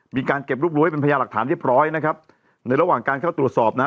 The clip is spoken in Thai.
มีการเก็บรูปรวยเป็นพยาหลักฐานเรียบร้อยนะครับในระหว่างการเข้าตรวจสอบนะฮะ